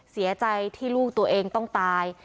เสียใจที่ลูกตัวเองต้องตาย